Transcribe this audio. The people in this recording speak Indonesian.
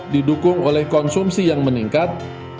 didukung oleh konsumsi yang meningkat